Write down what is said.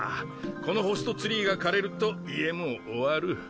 このホストツリーが枯れると家も終わる。